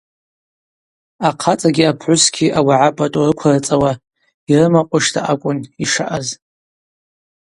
Ахъацӏагьи апхӏвысгьи ауагӏа пӏатӏу рыквырцӏауа, йрымакъвышта акӏвын йшаъаз.